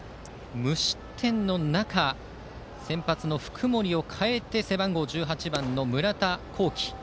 無失点の中先発の福盛を代えて背番号１８番の村田昊徽。